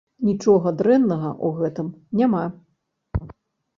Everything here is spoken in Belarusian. Нічога дрэннага ў гэтым няма.